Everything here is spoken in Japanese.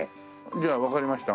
じゃあわかりました。